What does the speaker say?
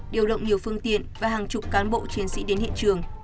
điều động nhiều phương tiện và hàng chục cán bộ chiến sĩ đến hiện trường